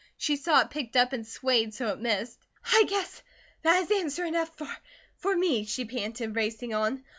She saw it picked up and swayed so it missed. "I guess that is answer enough for me," she panted, racing on.